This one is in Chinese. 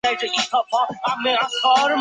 圣叙尔皮克和卡梅拉克。